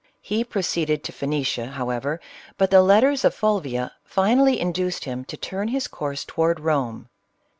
He proceeded to Phoenicia, however, but the letters of Fulvia finally induced him to turn his course toward Rome.